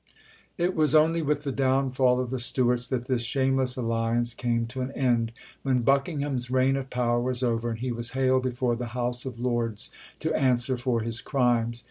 It was only with the downfall of the Stuarts that this shameless alliance came to an end, when Buckingham's reign of power was over, and he was haled before the House of Lords to answer for his crimes.